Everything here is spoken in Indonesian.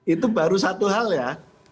itu baru satu hal ya